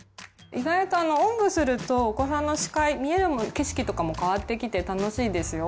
意外とおんぶするとお子さんの視界見えるもの景色とかも変わってきて楽しいですよ。